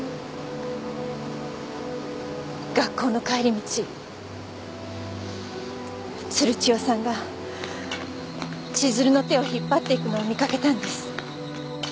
学校の帰り道鶴千代さんが千鶴の手を引っ張っていくのを見掛けたんです。